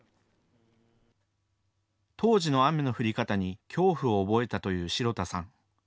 当時の雨の降り方に恐怖を覚えたという代田さん。